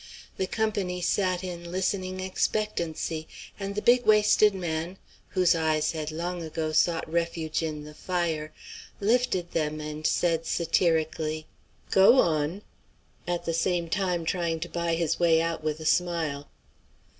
The company sat in listening expectancy; and the big waisted man, whose eyes had long ago sought refuge in the fire, lifted them and said, satirically, "Go on," at the same time trying to buy his way out with a smile.